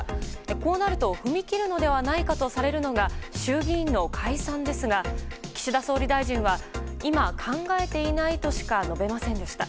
こうなると踏み切るのではないかとされるのが衆議院の解散ですが岸田総理大臣は今、考えていないとしか述べませんでした。